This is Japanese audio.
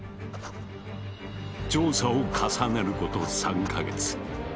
調査を重ねること３か月。